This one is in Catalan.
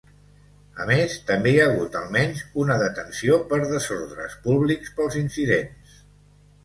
A més, també hi ha hagut almenys una detenció per desordres públics pels incidents.